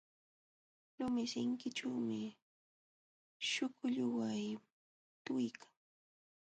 Lumi sinkićhuumi śhukulluway pitwiykan.